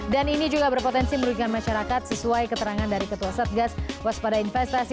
ini juga berpotensi merugikan masyarakat sesuai keterangan dari ketua satgas waspada investasi